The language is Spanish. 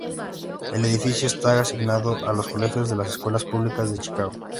El edificio está asignado a colegios en las Escuelas Públicas de Chicago.